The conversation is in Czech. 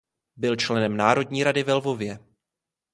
Byl členem Národní rady ve Lvově.